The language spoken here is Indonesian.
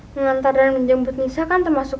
mengantar dan menjemput nisa kan termasuk